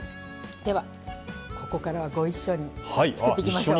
ではここからはご一緒に作っていきましょう。